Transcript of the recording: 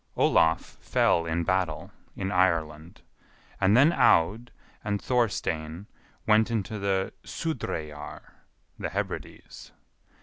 Olaf fell in battle in Ireland, and then Aud and Thorstein went into the Sudreyjar (the Hebrides).